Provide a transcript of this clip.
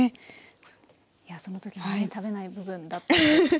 いやその時にね食べない部分だったので。